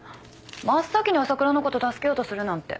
真っ先に朝倉のこと助けようとするなんて。